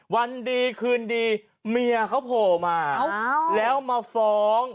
วันดีคืนดีเมียเขาโผล่มาแล้วมาฟ้อง